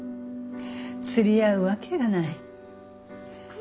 釣り合うわけがない。